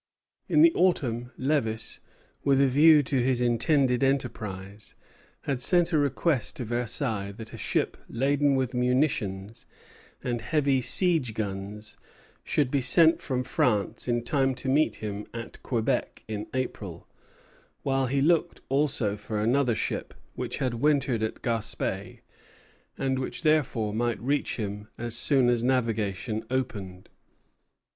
In the autumn Lévis, with a view to his intended enterprise, had sent a request to Versailles that a ship laden with munitions and heavy siege guns should be sent from France in time to meet him at Quebec in April; while he looked also for another ship, which had wintered at Gaspé, and which therefore might reach him as soon as navigation opened.